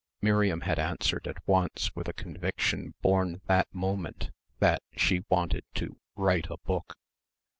Miriam had answered at once with a conviction born that moment that she wanted to "write a book."